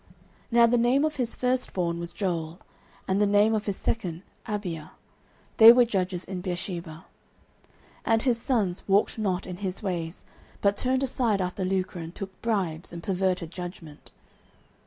09:008:002 Now the name of his firstborn was Joel; and the name of his second, Abiah: they were judges in Beersheba. 09:008:003 And his sons walked not in his ways, but turned aside after lucre, and took bribes, and perverted judgment.